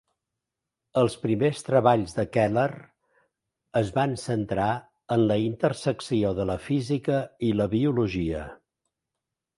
Els primers treballs de Keller es van centrar en la intersecció de la física i la biologia.